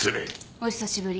お久しぶり。